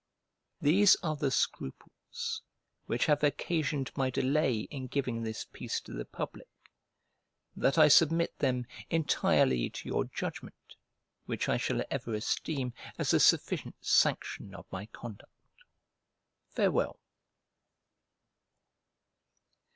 These are the scruples which have occasioned my delay in giving this piece to the public; but I submit them entirely to your judgment, which I shall ever esteem as a sufficient sanction of my conduct. Farewell.